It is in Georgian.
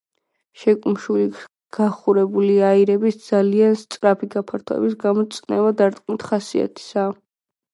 შეკუმშული გახურებული აირების ძალიან სწრაფი გაფართოების გამო წნევა დარტყმითი ხასიათისაა.